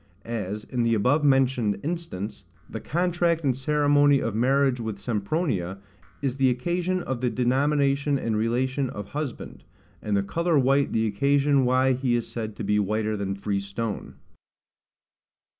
As in the above mentioned instance, the contract and ceremony of marriage with Sempronia is the occasion of the denomination and relation of husband; and the colour white the occasion why he is said to be whiter than free stone.